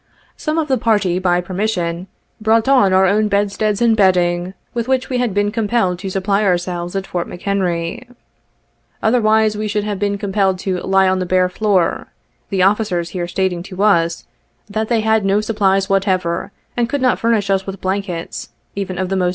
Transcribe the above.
Some of the party, by permission, brought on our own bedsteads and bedding 21 with which we had heen compelled to supply ourselves at Fort Mcilenry ; otherwise we should have been compelled to lie on the hare tioor, the officers here stating to us, that they had no supplies whatever, and could not furnish us with blankets, even of the must o.